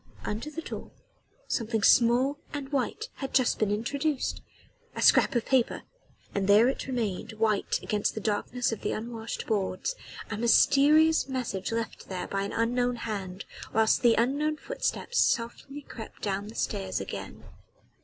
Under the door something small and white had just been introduced a scrap of paper; and there it remained white against the darkness of the unwashed boards a mysterious message left here by an unknown hand, whilst the unknown footsteps softly crept down the stairs again.